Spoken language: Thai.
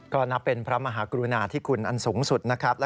ก็นับเป็นพระมหากรุณาที่คุณอันสูงสุดนะครับ